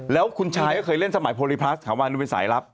แล้วคุณชายก็เคยเล่นสมัยโพลิพลัสถาวันูเป็นสายลับ